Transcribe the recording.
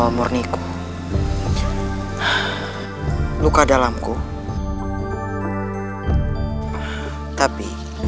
aku tidak peduli